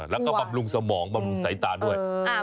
และปรับลุงสมองปรับลุงสายตาด้วย